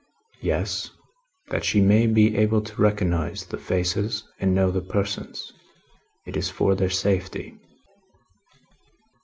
"Yes. That she may be able to recognise the faces and know the persons. It is for their safety."